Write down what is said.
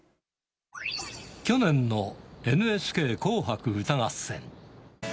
去年のＮＨＫ紅白歌合戦。